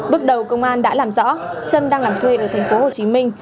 bước đầu công an đã làm rõ trâm đang làm thuê ở thành phố hồ chí minh